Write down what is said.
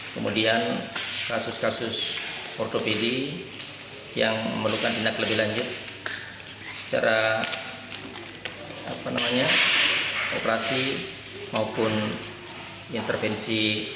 kemudian kasus kasus ortopedi yang memerlukan tindak lebih lanjut secara operasi maupun intervensi